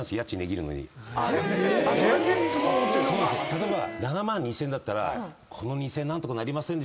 例えば７万２，０００円ならこの２，０００円何とかなりません？